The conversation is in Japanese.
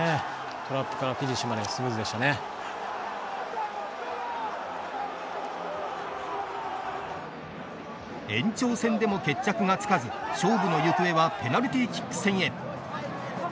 トラップからフィニッシュまで延長戦でも決着がつかず勝負の行方はペナルティーキック戦へ。